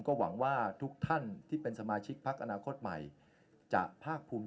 ก็หวังว่าทุกท่านที่เป็นสมาชิกพักอนาคตใหม่จะภาคภูมิ